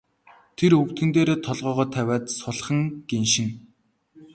Тэр өвдгөн дээрээ толгойгоо тавиад сулхан гиншинэ.